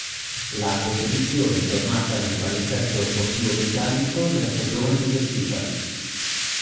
La competizione è tornata nel palinsesto sportivo britannico nella stagione successiva.